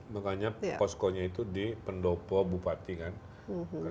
makanya posko nya itu di pendopo bupati kan